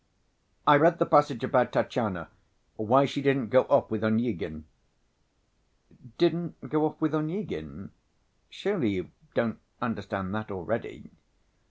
I read the passage about Tatyana, why she didn't go off with Onyegin." "Didn't go off with Onyegin? Surely you don't ... understand that already?"